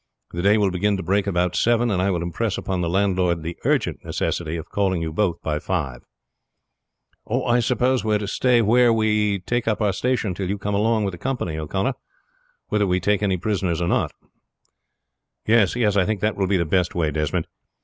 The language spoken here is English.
The day will begin to break about seven, and I will impress upon the landlord the urgent necessity of calling you both by five." "I suppose we are to stay where we take up our station till you come along with the company, O'Connor, whether we take any prisoners or not?" "Yes, that will be the best way, Desmond.